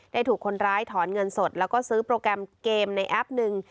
ถูกคนร้ายถอนเงินสดแล้วก็ซื้อโปรแกรมเกมในแอปหนึ่ง